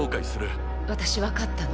私分かったの。